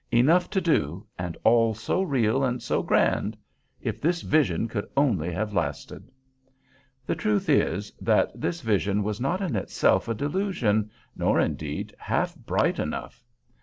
Enough to do, and all so real and so grand! If this vision could only have lasted. The truth is, that this vision was not in itself a delusion, nor, indeed, half bright enough.